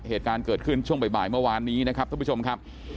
เหตุการณ์เกิดขึ้นช่วงบ่ายเมื่อวานนี้นะครับท่านผู้ชมครับ